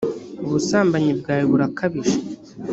ubusambanyi bwawe burakabije